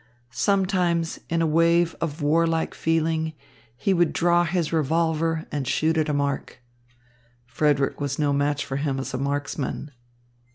Sometimes, in a wave of warlike feeling, he would draw his revolver and shoot at a mark. Frederick was no match for him as a marksman.